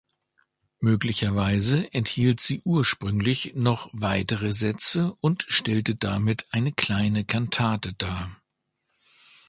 Möglicherweise enthielt sie ursprünglich noch weitere Sätze und stellte damit eine kleine Kantate dar.